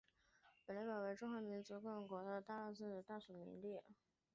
本列表为中华民国及中华人民共和国驻哥斯达黎加历任大使名录。